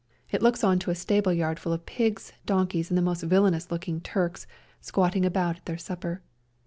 It looks on to a stableyard full of pigs, donkeys and the most villainous looking Turks squatting about at their supper.